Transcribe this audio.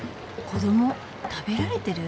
子ども食べられてる？